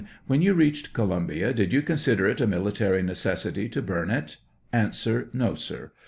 When you reached Columbia, did you consider it a military necessity to burn it ? A. No, sir.